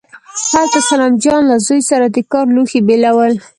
هلته سلام جان له زوی سره د کار لوښي بېلول.